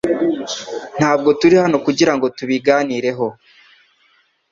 Ntabwo turi hano kugirango tubiganireho